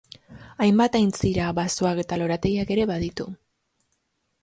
Hainbat aintzira, basoak eta lorategiak ere baditu.